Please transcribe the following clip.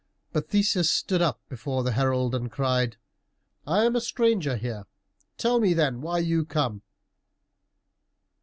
But Theseus stood up before the herald and cried, "I am a stranger here. Tell me, then, why you come?"